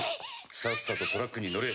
さっさとトラックに乗れ。